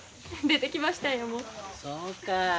そうか。